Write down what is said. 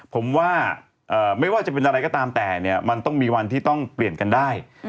ผมว่าไม่ว่าจะเป็นอะไรก็ตามแต่เนี่ยมันต้องมีวันที่ต้องเปลี่ยนกันได้